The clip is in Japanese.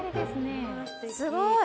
すごい！